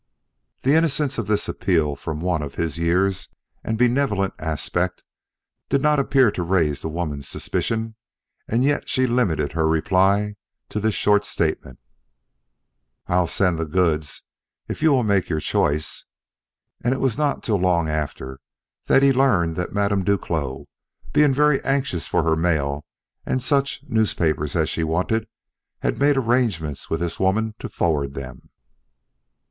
The innocence of this appeal from one of his years and benevolent aspect did not appear to raise the woman's suspicion; yet she limited her reply to this short statement: "I'll send the goods, if you will make your choice." And it was not till long after that he learned that Madame Duclos, being very anxious for her mail and such newspapers as she wanted, had made arrangements with this woman to forward them.